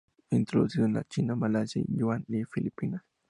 Introducido en la China, Malasia, Guam y Filipinas.